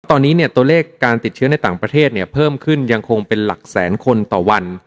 ตอนนี้เนี่ยตัวเลขการติดเชื้อในต่างประเทศเนี่ยเพิ่มขึ้นยังคงเป็นหลักแสนคนต่อวัน